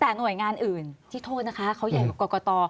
แต่หน่วยงานอื่นที่โทษนะคะเขาใหญ่กว่ากรกต